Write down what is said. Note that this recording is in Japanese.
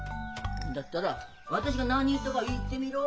だったら私が何言ったが言ってみろ。